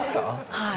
はい。